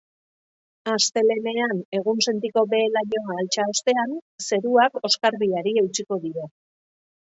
Astelehenean, egunsentiko behe-lainoa altxa ostean, zeruak oskarbiari eutsiko dio.